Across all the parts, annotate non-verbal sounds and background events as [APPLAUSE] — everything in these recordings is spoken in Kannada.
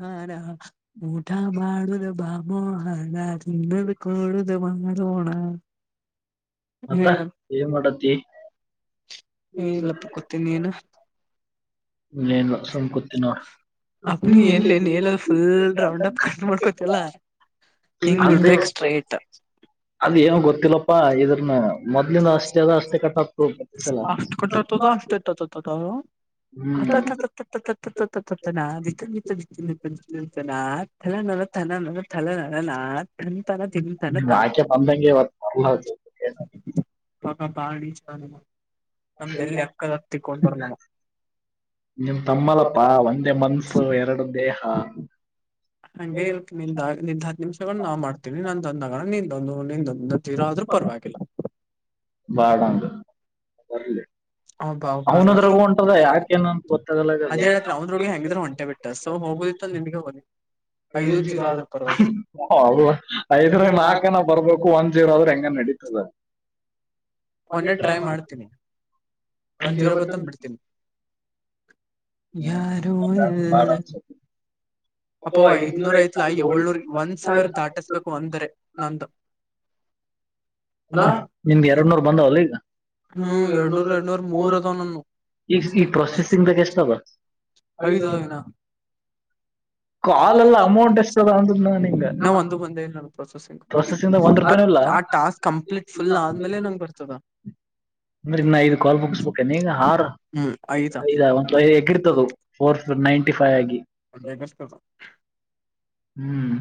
ಹಾರಾ ಊಠಾ ಮಾಡಳುದ ಬಾಮ ಹಾರ ತ ಕೊ ಮಾ ಹ ಮತ್ತ ಏನ್ ಮಾಡತಿ ಏಲ್ಲಪ್ಪ ಕೊತೀನಿ ಏನ ಇನ್ ಏನು ಅಪ್ಪ ನೀ ಎನ್ಲೇನ್ ಫುಲ್ ರೌಂಡ್ ಅಪ್ ಕಂಡ ಮಾಡ್ಕೋತಲ್ಲ ಹಿಂಗ ಬಿಡ್ಬೇಕ ಸ್ಟ್ರೈಟ್ ಅಷ್ಟ ಕಟ್ಟದ [INAUDIBLE] ತನ ವಿಕಿತ ದಿಕಿತನ ತನನ ತನ [UNINTELLIGIBLE] ಲ ನ ನಾ ತಿಂತಾನ ತಿಂತಾನ ತ ಪ ಬಾ ಚ [INAUDIBLE] ನಮ್ದಲ್ಲಿ ಅಕ್ಕದ ಹತ್ತಿಕ್ಕೊಂಡ್ ಬರ್ಲಣ ಹ್ಮ ತಪಲ ಹಾ ಒಂದೇ ಮನ್ಸು ಎರಡು ದೇಹ ಹಂಗೆ ಇಲ್ ನಿ ನಿಂದ್ ಹತ್ತು ನಿಮಿಷಗಳ ನಾವ್ ಮಾಡ್ತೇವಿ ನಾ ಂದಣ ನಿಂದೊಂದು ನಿಂದೊಂದ ತೀರೋ ಆದ್ರೂ ಪರವಾಗಿಲ್ಲ ವಾಡಾಂಗ ಅ ಅವನದ್ರಗೂ ಉಂಟದ ಯಾಕೆಏನಂತ ಗೊತ್ತಾಗಲ್ಲ ಡ್ಗೆ ಹಗಿದ್ರೆಂಟೆ ಬಿಟ್ಟ ಸೂ ಹೋಗೋದಿತ್ತು ನಿಮ್ಗೆ ಹೋಗಿ [INAUDIBLE] ಹೌದು ಐದ್ರ ನಾಲ್ಕನ ಬರ್ಬೇಕು ಒಂದ್ ಜೀರೋ ಆದ್ರೆ ಹೆಂಗ ನಡೀತು ಅಲ್ಲ ಕೊನ್ನೆ ಟ್ರೈ ಮಾಡ್ತೀನಿ ಒಂದ ಜೀರೋಭತ್ತನ್ ಬಿಡ್ತೀನಿ ಯಾರು ಇಲ್ಲ ಅಪ ಐದನೂರ್ ಐತ್ಲಾ ಏಳ್ನೂರ್ ಒಂದ್ ಸಾವಿರ ದಾಟಸ್ಬೇಕು ಅಂದ್ರ ನಂದು ಅಲ ಎ ಹ್ಮ್ ಎರನೂರು ಎರನೂರ್ ಮೂರು ಅದ ನನ್ನು ಹ ತದನ [INAUDIBLE] ಕಾಲ್ [UNINTELLIGIBLE] ಇನ್ನೂ ಒಂದು ಬಂದೇ ಇಲ್ಲ ಪ್ರೊಸೆಸಿಂಗ್ ಟಾಸ್ಕ್ ಕಂಪ್ಲೀಟ್ ಫುಲ್ ಆದ್ಮೇಲೆ ನಂಗೆ ಬರ್ತದ ಅಂದ್ರಗ್ ನಾ ಇದು ಕಾಲ್ ಮುಗಸ್ಬೇಕ ನೀಂಗ ಹಾರ್ ಹ್ಮ್ ಆಯ್ತಾ ಹ್ಮ್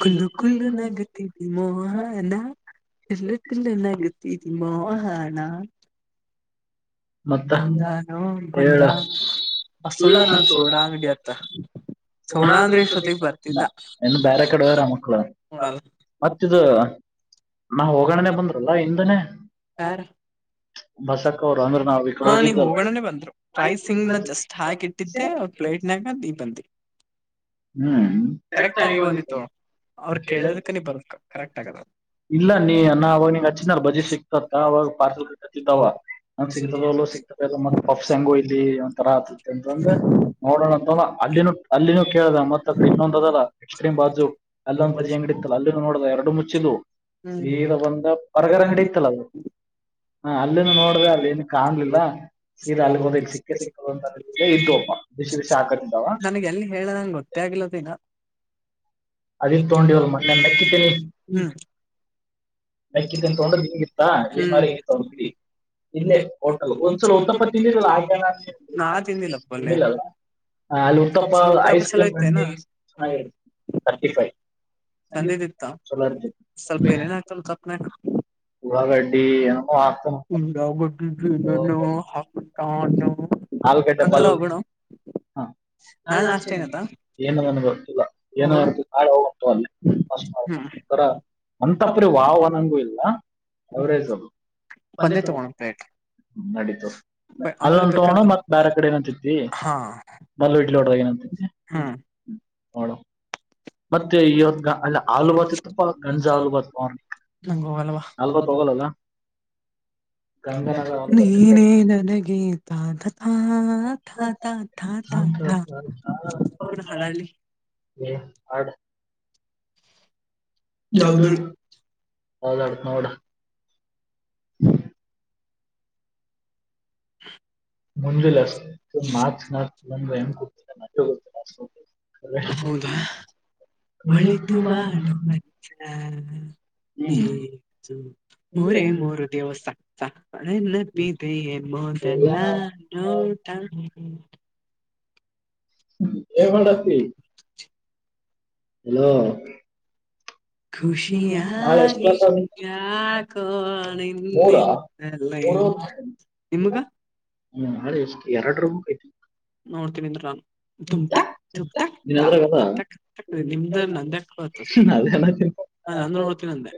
ಕುದ್ದು ಕುದ್ದು ನಗುತ್ತೆತಿ ಮೂಹನ ತಿಂದು ತಿಂದು ನಗುತ್ತಿದೆ ಮೋಹಣಾ ಬಂದ ನೋಡ್ ಬಂದ‌ ಆ ಸುಳ್ಳ ನಾ ಸೋಡಾ ಅಂಗಡಿಗೆ ಹೇಳ್ತಾ ಸೋಡ ಅಂದ್ರೆ ಇಷ್ಟೊತ್ತಿಗೆ ಬರ್ತಿದ್ದ ಬೇರೆ ಕಡೆ ನೋಡಲ್ಲ ಮತ್ತದು ನಾ ಹೋಗೋಣನೆ ಬಂದ್ರಲ್ಲ ಹಿಂದನೇ ಬಸಕ್ ಅವರು ಅಂದ್ರ ಹಾ ನೀವ್ ಹೋಗೋಣನನೆ ಬಂದ್ರು ರೈಸಂಗ್ನ ಜಸ್ಟ್ ಹಾಕಿ ಇಟ್ಟಿದ್ದೆ ಅವ್ರ ಪ್ಲೇಟ್ನಾಗ ನೀ ಬಂದಿ ಹ್ಮ್ ಕರೆಕ್ಟ್ ಟೈಮಿಗೆ ಬಂದಿ ಕೆಳೋದಕ್ಕೆ ಇಲ್ಲ ನೀ ಅಣ ಅವಾಗ ನಿಂಗ ಹಚ್ಚಿದಾರ ಬಜಿ ಸಿಕ್ತತ್ತ ಅವಾಗ ಪಾರ್ಸೆಲ್ ಕಟ್ಟ ಹಚ್ಚಿದ್ದಾವ ಸಿಗ್ತದ ಸಿಗ್ತದೆ ಮತ್ತತ್ ಪಫಸಂಗು ಇಲ್ಲಿ ಒಥರ ಆತ ಅಂತಂದ್ರೆ ನೋಡೋಣ ತಗೋ ಅಲ್ಲಿ ರೋ ಅಲ್ಲಿನೂ ಕೇಳದ ಮತ್ತ ಅಡೆ ಇನ್ನೊಂದ ಅದಲ್ಲ ಎಕ್ಸ್ ಕ್ರೀಮ ಬಾಜು ಅಲ್ಲಿದ್ ಬಾಜಿ ಹೆಂಗಡಿತ್ತಲ್ಲ ಅಲ್ಲಿನ ನೋಡದ ಎರಡು ಮುಚ್ಚಿ ಇದ್ವು ಸೀದಾ ಬಂದ ಪರಗರ ಅಂಗಡಿ ಇತ್ತಲ್ಲ ಅದು ಹ ಅಲ್ಲಿನ ನೋಡ್ದೆ ಅಲ್ಲಿ ಕಾಣ್ಲಿಲ್ಲ ಸೀದ ಅಲ್ಲಿಗೆ ಹೋದೆ ಇ ಸಿಕ್ಕ ಸಿಕ್ಕದ ಅಂತ ಇದ್ದ್ವಪ್ಪ ಬಿಸಿ ಬಿಸಿ ಹಾಕತಿದ್ದಾವ ಎಲ್ಲಿ ಹೇಳೋದಂಗೆ ಗೊತ್ತೇ ಆಗಿಲ್ಲಾ ಇನಾ ಅದಕ್ಕೆ ತೋಂಡಿವಲ್ಲ [INAUDIBLE] ಹ್ಮ ಮೆಕ್ಕ ತಿ ತ ತ ಇಲ್ಲೇ ಒಂದು ಒಂದ್ಸಲ ಉತ್ತಪ್ಪ ತಿಂದಲ ಆಗ ಏನ್ ಅನ್ಸಲ್ಲ ನಾ ತಿಂದಿಲ್ಲಪ್ಪ ಹ ಅಲ್ಲಿ ತಪ್ಪ ತಲ ಇ್ದನಾ ಚೆನ್ನಾಗಿ ಇರುತ್ತೆ ತಂದಿ ದಿನ್ ತ ಸ್ವಲ್ಪ ಏನೇನ್ ಆಗ್ತಾರೆ ಗಪ್ಪನೆ ಆಕ್ [UNINTELLIGIBLE] ನಾಲ್ಕ ಐತ್ತಪ್ಪ ಅಲ್ಲಿ ಆ ಏನ ನನಗೆ ಗೊತ್ತಿಲ್ಲ ಏನೂ ನಾಳೆ ಹಟು ಅಲ್ಲೇ ಹರ ಒಂತಪುರಿ ವಾವ್ನಂಗೂ ಇಲ್ಲ ಅವವರೇಜ ಅದು ಒಂದ್ಯ ತಗೋಳನ ಪ್ಲೇಟ್ ನಡೀತು ಅಲ್ಲೊ ರೋಣ ಮತ್ತತ್ ಬೇರೆ ಕಡೆ ಏನಂತತಿ ಮಲ್ಲ ಇಡ್ಲಿ ಹೊಡದಾಗ ಏನಂತತಿ ಹ್ಮ ನೋಡ ಮತ್ತೆ ಇವತ್ತು ಅಲ್ಲಿ ಆಲುೂ ಭಾತಿ ಇತ್ತಪ್ಪಾ ಗಂಜಾ ಆಲಲು ಭಾತ್ ಹ್ಮ ಅಲ್ವತ್ ತೋಗಲ್ಲಲ್ಲ ನೀನೇ ನನಗೆ ತ [UNINTELLIGIBLE] ಹ ಆಡು ಚಬಿಳ್ ಅದ ನೋಡ ಮುಂಜಿಲ್ಲ ಅಷ್ಟ ಮಾರ್ಚ್ ನಾಲ್ಕ ಒಂದ ಹೆಮ್ ಕೊೂಡ್ತಿ ಮೆ ಗೊತ್ತಿಲ್ಲ ಅಷ್ಟ [UNINTELLIGIBLE] ಒಳಿತು ಮಾಡು ಮನುಸ ಹ ಮೂರೇ ಮೂರು ದೇವಸ್ಸ ಸಾ ನೆನಪಿದೆಯೇ ಮೊದಲ ನೋಟ ಎ ಮಾಡತಿ ಹಲೋ ಖುಷಿಯಾಗಿ ಯಾಕೋ ನಿನ್ನಿಂದಲೇ ನಿಮಗ ಹ್ಮ್ ಅಷ್ಟ ಎರಡು ರೂಮ್ ಕೈತಿ ನೋಡ್ತನಿರ ನನ್ ತುಂಬತಾ ತುಂಬತಾ ತಾ ನಿಮ್ದ ನಂದ ಬತ ಹ ನಂದ ನವತ್ತಿನಂದೆ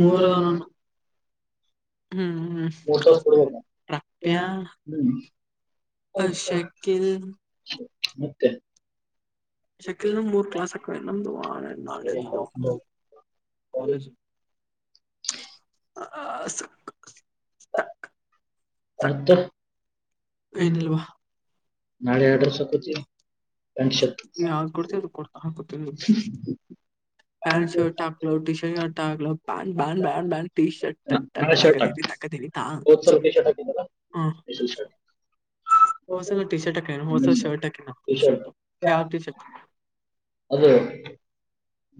ಮೂರ ಹ್ಮ್ ಮಟ ಸ್ಕ ಪ್ರಾಪ್ಯ ಅಶಕಿಲ್ ಮತ್ತೆ ಶಕಲ್ ಮೂರು ಕ್ಲಾಸ್ಕ್ಕ ಎಲ್ಲಂದು ನಾಳೆ ಕಾಲೇಜ್ ಹ ಆ ಸ ಸ ಸಕ್ಕ ದಲ್ವಾ ನಾಳೆ ಎರಡ ಸಕತಿಂಡ [UNINTELLIGIBLE] ಪ್ಯಾಂಟ್ ಶರ್ಟ್ ಆಾಕಲೋ ಟ ಶರ್ ಶರ್ಟ್ ಆಾಲೋ ಪ್ಯಾಂ ಬ್ಯಾ ಬ್ಯಾ ಬ್ಯಾನ್ ಟ ಶರ್ಟ್ ತ ತಕಧೀಮಿ ತಾಮ್ [UNINTELLIGIBLE] ಟಿ ಶರ್ಟ್ ಟಾಕೆಲೆ ಹೊಸ ಶರ್ಟ್ ಹಾಕೆಲೆ ಶರ್ಟ್ ಯಾವ್ ಟಿ ಶರ್ಟ್ ಅದೇ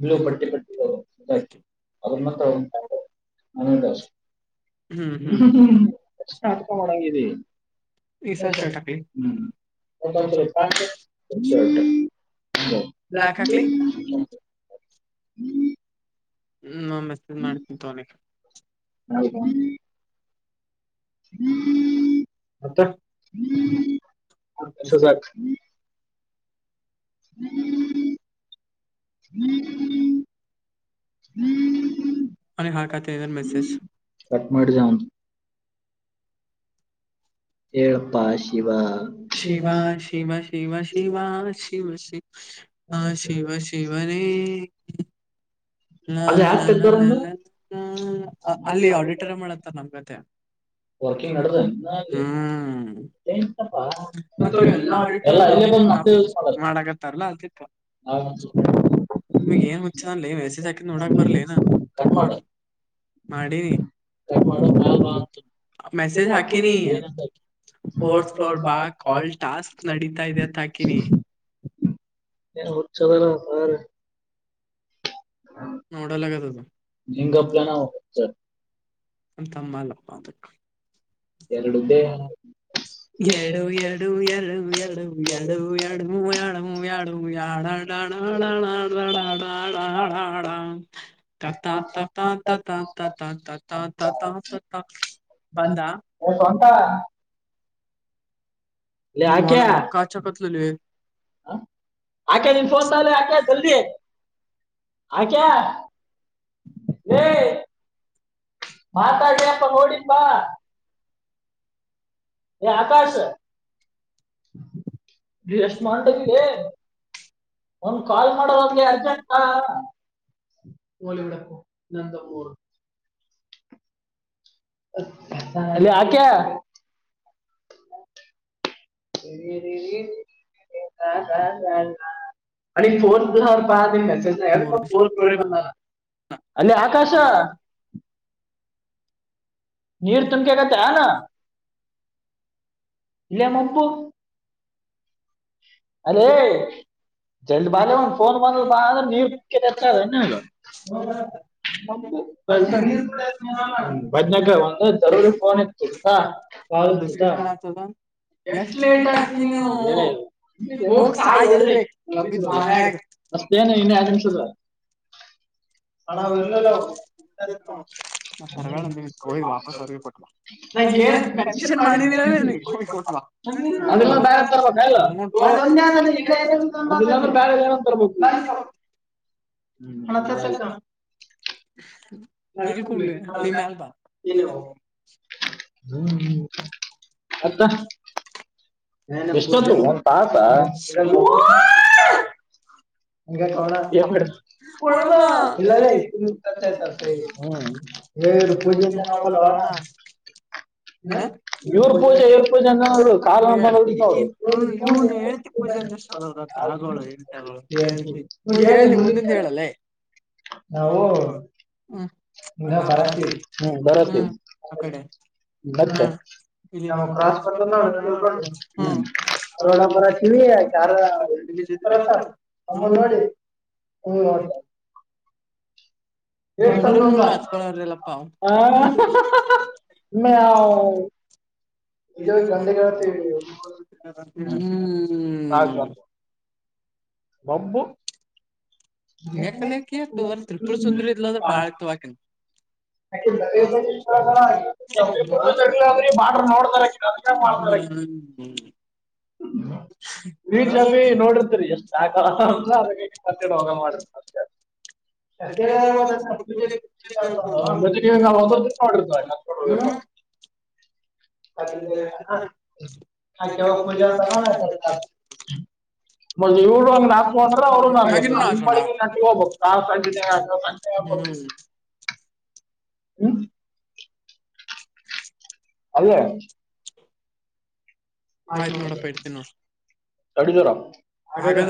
ಬ್ ಪಟ್ಟಿ ಪಟ್ಟಿರು ಅದನ್ನ ಮಾತ್ರ ಅವರುಂಟ ಅನಂದ ಹ್ಮ್ ಅಕ್ಕಣಂಗಿದೆ ಹ್ಮ್ ಬ್ಲಾಕ್ ಮೆಲ್ ಹ್ಮ್ ಮಸ್ದ ಮಾಡ್ತೀನಿ ತೋ ಅದಿಕ್ಕೆ ಹೌದ ಹ್ಮ್ ಹ್ಮ್ ಮತ್ ಹೂಸಜಾಗ ಹ್ಮ ಹ್ಮ್ ಹ್ಮ ಹ್ಮ್ ಅ ಹಾಕಾತೆನ ಮೆಸಜ ಏ ಯಪ್ಪಾ ಶಿವ ಶಿವ ಶಿವ ಶಿವ ಶಿವ ಶಿವ ಶಿವ ಆ ಶಿವ ಶಿವ ನೇ ಹ್ಮ ಹ ಲ್ಲ ಲ್ಲ ಅಲ್ಲಿ ಆಡಿಟರಿಯಂ ಮಾಡತ್ತಾರೆ ನಮ್ಗತೆ [INAUDIBLE] ವರ್ಕಿಂಗ್ ನಡದದ ಹ್ಮ್ ಮತ್ತೆ ಎಲ್ಲ ಆಡಿಟೋರಿಯಂ ಮಾಡತ್ತಾರಲ್ಲ ಅದಕ್ಕೆ ನಿಮ ಏನ್ ಹುಚ್ಚದಲ್ಲೇ ಇವ ಮೆಸೇಜ್ ಹಾಕಿ ನೋಡಕ್ ಬರ್ಲಿ ನ ಕಟ್ ಮಾಡು ಮಾಡ ನೀ ಮಾಡ ಮೆಸೇಜ್ ಹಾಕಿ ನೀ ಫೋರ್ತ್ ಫ್ಲೋರ್ ಬಾ ಕಾಲ್ ಟಾಸ್ಕ್ ನಡೀತಾ ಇದೆ ಅಂತ ಹಾಕಿನಿ ಏನ್ ಹುಚ್ಚ ಅದಾನ ಅವ ಸರ್ ನ ನಡಲ್ಲದು ನಮ್ಮ ತಮ್ಮ ಅಲ್ಲಪ್ಪ ಅದಕ್ಕೆ ಡು ಎರಡು ಎರಡು ಎರಡು ಎಡು ಎಡು ಎಡು ಮೂ ಯಡ ಯಡು ಯಡಡಡಣಡಡಡ ಹ ತ ತ ತ್ ತ್ ಬಂದ ತಟಾವ ನಮ್ಮಕ್ಕ ಅಚ್ಚ ಕತ್ತಲೆ ಆಕೆ ನೀ ಸೋತೆ ಆಕೆ ಜಲ್ದಿ ಆ ಅಕ್ಯ ಏ ಮಾತಾಡಲೇ ಅಪ್ಪ ಯಡಿನ್ಂಬಾ ಆ ಆಕಾಶ್ ಏಷ್ಟ ಮಂಡ ಆದಿ ಲೇ ಒಂದ ಕಾಲ್ ಮಾಡುವಾಗ್ಲ ಅರ್ಜೆಂಟಾ ಮಳಡಪ್ಪು ನಂದ ಮೂರು ಅ ಆ ಕ ಫೋರ್ ಗಹ ಬ ಮಜ ಅಲೆ ಆಕಾಶ ನೀರ್ ತುಮಕಗತ್ತ ಹ ನ ಲೇ ಮಬ್ಬು ಅರೆಲೆ ಜಲ್ದಿ ಬಾಲ ಒಂದ್ ಫೋನ್ ಬಂದ ಬಾ ಅ್ರ ನೀರ್ಚ್ಚ ಬದ್ನ ಒಂದು ಜರೂರಿ ಫೋನ್ ಇತ್ತು ಹೌ ಬಸ ಕಷ್ಟ ಕಣ ಆತದ ಎಷ್ಟು ಲೇಟ್ ಆತ ನೀನು ನ ಅಷ್ಟೇಏನು ಇನ್ಯ ಅುದ್ರ ಹ ಹಣಾ ವಲ್ಲರ ನ ಪೆಂಕ್ಷನ್ ಮಾಡ ಅದೆಲ್ಲ ಬೇ ತರ್ಬಲ್ಲ ಬ ಏನ ತರ್ಬ ಲ ಆತ ನಲ್ ಕೂಡಲಮಲ್ಬ ಹ್ಮ್ ಅತ್ತ ಹ ಕಣೇಡ ಕೊಡೋಣ ಇಲ್ಲದೆ ಇ್ತ ಹ್ಮ ಎ ರೂಪ ಜ ನಕ ಇವ್ರ ಪೂಜೆ ಇವ್ರ ಪೂಜೆ ಅಂದ ಅವರು ಕಾರಣಡಿ ಅವರು ಆಗ ಎಗ ನ್ ಹೇಳ ನಿ ಮುಂದಿಂದ ಹೇಳಲ್ಲೇ ನಾವು ಭಾರತ ಹ್ಮ್ ಬರತತ ಕ್ರಸ್ ರೋಾರ ಬರತ್ರ ನಮ್ಮಂದ್ ನೋಡಿ ಹು ರ್ ಸಲ್ಂಗ ಹ ಮ ಇ ಗಂಡಗ ಬಂಬು ಹಕಲಕಿತ್ತು ಅವರ ತ್ರಿಪುರ್ ಸುಂದ್ರ ಇದ್ರೆ ಬಾಳ ಇತ್ತುಾಕ ಯಾಕ ಇ್ರ ಬಾರ್ಡ್ರ ನೋಡತಾರ ಅದಕ ಮಾಡ್ತಾರ ಹ್ಮ [INAUDIBLE] ರಚ ಬಿಿ ನೋಡಿರ್ತರಿ ಎಷ್ಟು ಯಕ ಅಂತ ಅದ ಕತ್ತಡ ಹಂಗ ಮಾಡ ಹ ಕಕವಾಗ ತ ಮೊ್ ಇವ್ರು ನಾತ ಅೊಂಡ್ರೆ ಅವ್ರು ನ ನಿಡಿ ನಟ ಹೋಗಬಬೇಕ ಆ [INAUDIBLE] ಹ್ಮ [INAUDIBLE] ಅಲ್ಲೇ ಹಾಗ ಕಡಿದರಾಮ್ ಹಾಗಾಗ